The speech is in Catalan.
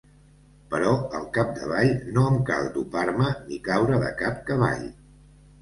Però al capdavall no em cal dopar-me ni caure de cap cavall.